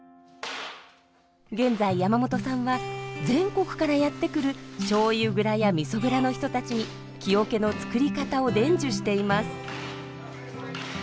現在山本さんは全国からやって来るしょうゆ蔵やみそ蔵の人たちに木桶の作り方を伝授しています。